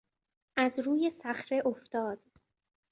از روی صخره افتاد.